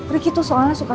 ricky tuh soalnya suka